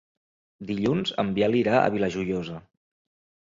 Dilluns en Biel irà a la Vila Joiosa.